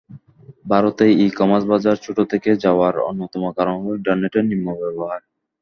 ভারতে ই-কমার্স বাজার ছোট থেকে যাওয়ার অন্যতম কারণ হলো ইন্টারনেটের নিম্ন ব্যবহার।